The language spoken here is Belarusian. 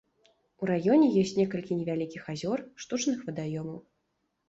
У раёне ёсць некалькі невялікіх азёр, штучных вадаёмаў.